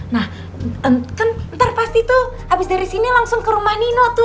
nah kan ntar pasti tuh habis dari sini langsung ke rumah nino tuh